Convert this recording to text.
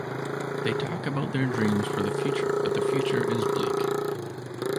They talk about their dreams for the future but the future is bleak.